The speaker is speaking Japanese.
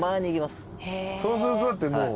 そうするとだってもう。